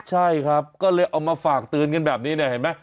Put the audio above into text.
ใช่ครับก็เลยเอามาฝากเตือนกันแบบนี้เนี่ยเห็นไหม